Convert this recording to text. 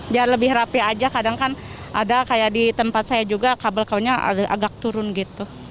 biar lebih rapih aja kadang kan ada kayak di tempat saya juga kabel kabelnya agak turun gitu